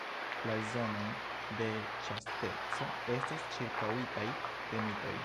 La zonoj de ĉasteco estas ĉirkaŭitaj de mitoj.